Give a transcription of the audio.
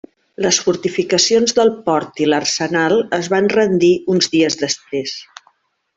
Les fortificacions del port i l'arsenal es van rendir uns dies després.